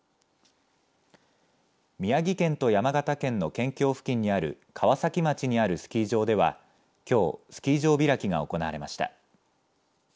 宮城県と山形県の県境付近にある川崎町にあるスキー場ではきょうスキー場開きが行われました。